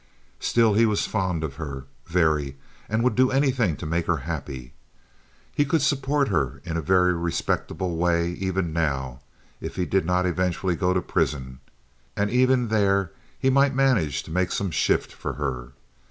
Still he was fond of her, very, and would do anything to make her happy. He could support her in a very respectable way even now, if he did not eventually go to prison, and even there he might manage to make some shift for her.